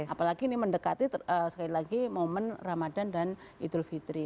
apalagi ini mendekati sekali lagi momen ramadan dan idul fitri